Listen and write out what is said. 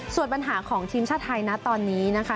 ส่วนปัญหาของทีมชาติไทยนะตอนนี้นะคะ